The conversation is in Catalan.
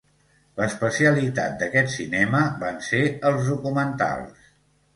L'especialitat d'aquest cinema van ser els documentals.